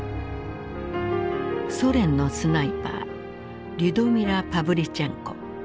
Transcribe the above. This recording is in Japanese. ソ連のスナイパーリュドミラ・パヴリチェンコ。